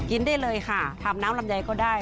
ได้เลยค่ะทำน้ำลำไยก็ได้